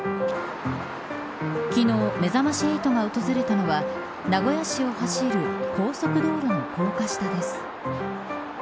昨日、めざまし８が訪れたのは名古屋市を走る高速道路の高架下です。